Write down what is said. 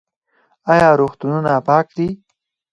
آیا روغتونونه پاک دي؟